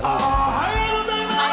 おはようございます！